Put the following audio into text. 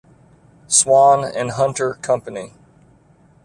Swan and Hunter Company.